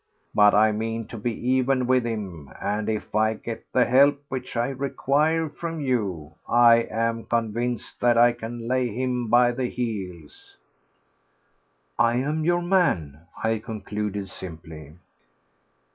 But I mean to be even with him, and if I get the help which I require from you, I am convinced that I can lay him by the heels." "I am your man," I concluded simply.